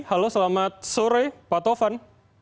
halo selamat sore pak tovan